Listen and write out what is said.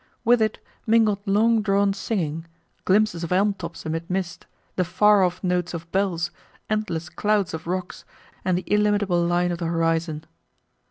With it mingled long drawn singing, glimpses of elm tops amid mist, the far off notes of bells, endless clouds of rocks, and the illimitable line of the horizon.